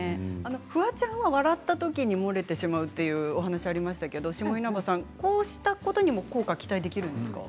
フワちゃんは笑ったときに漏れてしまうというお話ありましたけどこうしたことにも効果が期待できるんですか。